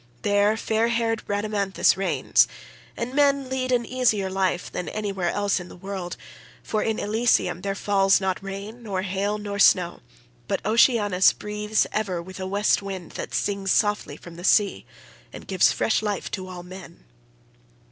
There fair haired Rhadamanthus reigns, and men lead an easier life than any where else in the world, for in Elysium there falls not rain, nor hail, nor snow, but Oceanus breathes ever with a West wind that sings softly from the sea, and gives fresh life to all men.